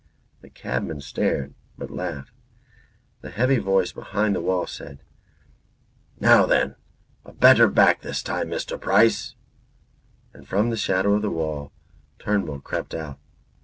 The cabman stared, but laughed. The heavy voice behind the wall said: "Now then, a better back this time, Mr. Price." And from the shadow of the wall Turnbull crept out.